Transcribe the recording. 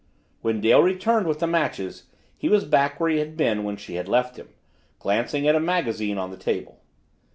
When Dale returned with the matches, he was back where he had been when she had left him, glancing at a magazine on the table.